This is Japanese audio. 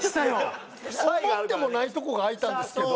思ってもないとこが開いたんですけど。